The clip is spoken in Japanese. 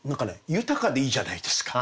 豊かでいいじゃないですか。